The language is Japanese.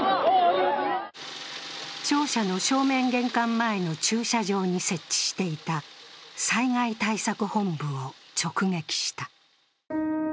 庁舎の正面玄関前の駐車場に設置していた災害対策本部を直撃した。